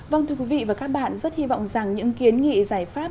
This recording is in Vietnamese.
vâng thưa quý vị và các bạn rất hy vọng rằng những kiến nghị giải pháp